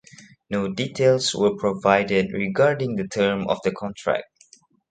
No details were provided regarding the term of the contract.